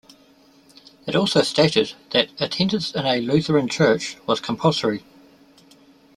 It also stated that attendance in a Lutheran church was compulsory.